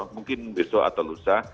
mungkin besok atau lusa